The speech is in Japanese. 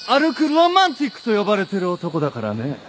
ロマンチックと呼ばれてる男だからね。